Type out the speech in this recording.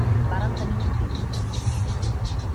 Varen tenir un fill: